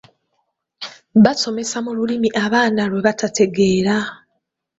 Basomesa mu Lulimi abaana lwe batategeera